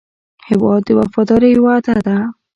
هېواد د وفادارۍ وعده ده.